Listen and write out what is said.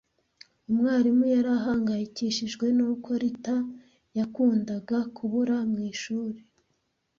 Umwarimu yari ahangayikishijwe nuko Ruta yakundaga kubura mu ishuri.